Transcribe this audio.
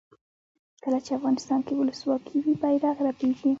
کله چې افغانستان کې ولسواکي وي بیرغ رپیږي.